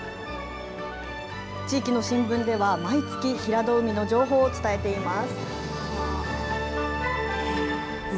地域の新聞では、毎月、平戸海の情報を伝えています。